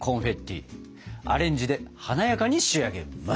アレンジで華やかに仕上げます！